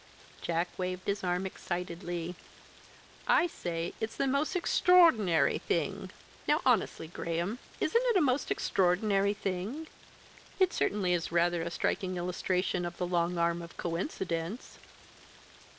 Jack waved his arm excitedly. "I say it's the most extraordinary thing. Now, honestly, Graham, isn't it a most extraordinary thing?" "It certainly is rather a striking illustration of the long arm of coincidence."